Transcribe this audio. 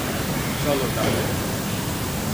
চলো, তাহলে!